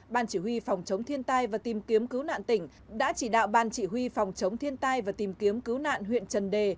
ban chỉ huy phòng chống thiên tai và tìm kiếm cứu nạn tỉnh đã chỉ đạo ban chỉ huy phòng chống thiên tai và tìm kiếm cứu nạn huyện trần đề